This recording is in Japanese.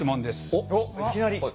おっいきなり。